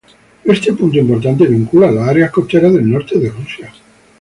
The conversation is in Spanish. Este punto importante vincula las áreas costeras del norte de Rusia.